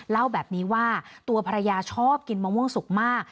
เล่าแบบนี้ว่าตัวภรรยาชอบกินมะม่วงสุกมาก